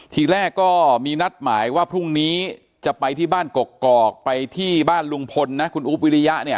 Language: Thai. ทีแรกก็มีนัดหมายว่าพรุ่งนี้จะไปที่บ้านกกอกไปที่บ้านลุงพลนะคุณอุ๊บวิริยะเนี่ย